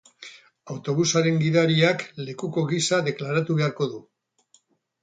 Autobusaren gidariak lekuko gisa deklaratu beharko du.